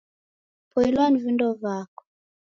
Poilwa ni vindo vako.